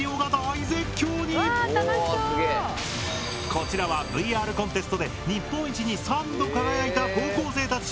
こちらはＶＲコンテストで日本一に３度輝いた高校生たち。